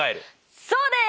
そうです！